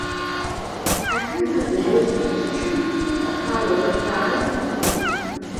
একইভাবে, বস্তিতে শিশুমৃত্যুর হারও গ্রামেরই অনুরূপ।